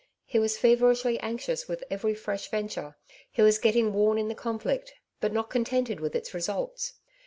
He was fever ishly anxious with every fresh venture ; he was get ting worn in the conflict, but not contented with its results.